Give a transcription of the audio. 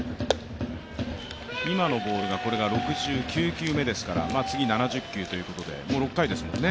今のボールが６９球目ですから次、７０球ということでもう６回ですもんね。